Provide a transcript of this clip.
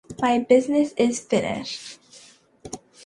My business is finished.